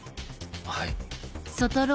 はい。